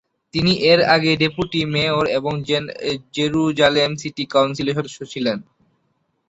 তিনি এর আগে ডেপুটি মেয়র এবং জেরুজালেম সিটি কাউন্সিলের সদস্যা ছিলেন।